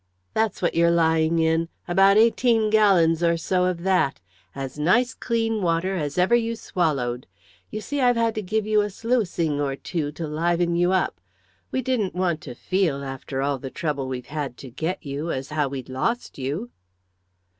"That's what you're lying in about eighteen gallons or so of that; as nice clean water as ever you swallowed. You see, I've had to give you a sluicing or two, to liven you up. We didn't want to feel, after all the trouble we've had to get you, as how we'd lost you."